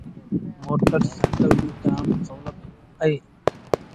موٽر سآئيٚڪل ريٚ جآم سولت اهي۔